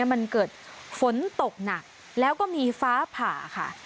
มันเกิดฝนตกหนักแล้วก็มีฟ้าผ่าค่ะ